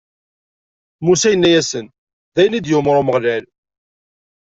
Musa yenna-asen: D ayen i d-yumeṛ Umeɣlal.